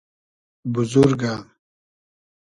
بوزورگۂ